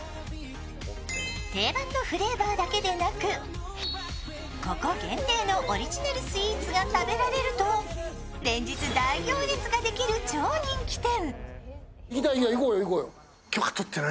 定番のフレーバーだけでなく、ここ限定のオリジナルスイーツが食べられると連日、大行列ができる超人気店。